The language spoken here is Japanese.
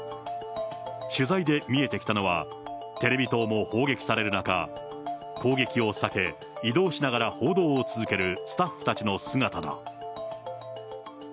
取材で見えてきたのは、テレビ塔も砲撃される中、攻撃を避け、移動しながら報道を続けるスタッフたちの姿だ。